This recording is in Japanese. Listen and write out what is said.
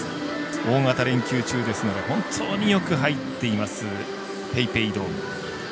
大型連休中ですので本当によく入っていますＰａｙＰａｙドーム。